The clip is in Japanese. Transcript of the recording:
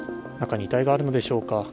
中に遺体があるのでしょうか。